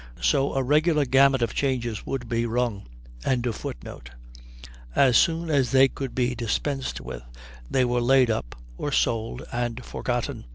So a regular gamut of changes would be rung.] as soon as they could be dispensed with they were laid up, or sold, and forgotten.